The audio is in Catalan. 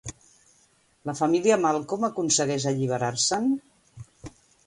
La família Malcolm aconsegueix alliberar-se'n?